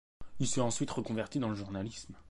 Il s'est ensuite reconverti dans le journalisme.